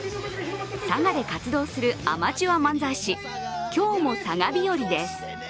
佐賀で活動するアマチュア漫才師、今日もさが日和です。